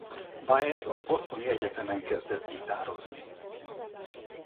Baez a bostoni egyetemen kezdett gitározni.